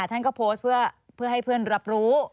ท่านก็โพสต์เพื่อให้เพื่อนรับรู้